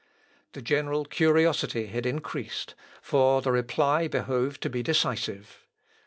The general curiosity had increased, for the reply behoved to be decisive.